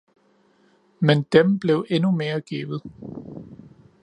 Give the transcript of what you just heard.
men Dem blev endnu mere givet!